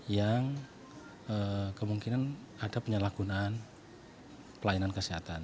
yang kemungkinan ada penyalahgunaan pelayanan kesehatan